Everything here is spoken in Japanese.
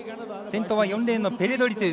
先頭は４レーンのペレンドリトゥ。